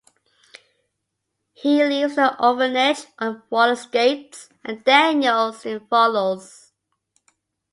He leaves the orphanage on rollerskates and Daniel soon follows.